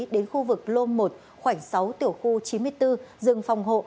đến khu vực lôn một khoảng sáu tiểu khu chín mươi bốn rừng phòng hộ